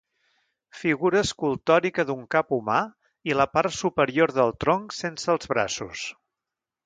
Figura escultòrica d'un cap humà i la part superior del tronc sense els braços.